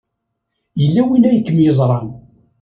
Yella win ay kem-yeẓran.